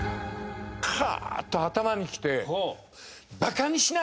カーッと頭にきて。